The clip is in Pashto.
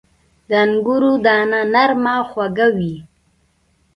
• د انګورو دانه نرمه او خواږه وي.